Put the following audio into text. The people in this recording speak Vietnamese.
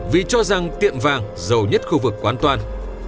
vì cho rằng tiệm vàng giàu nhất khu vực quán toàn